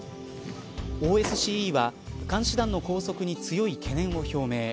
ＯＳＣＥは、監視団の拘束に強い懸念を表明。